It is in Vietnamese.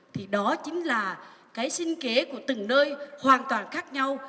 thì đó chính là cái sinh kế của từng nơi hoàn toàn khác nhau